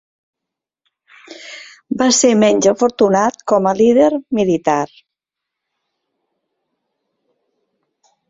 Va ser menys afortunat com a líder militar.